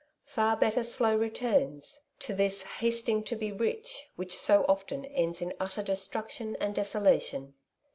Far better slow returns, to this * hasting to be rich,' which so often ends in utter destruction and desolation."